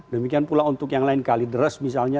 demikian pula untuk yang lain kalideres misalnya